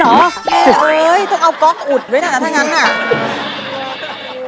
เฮ้ยต้องเอาก๊อกอุดไว้หน่อยนะถ้างั้นนะ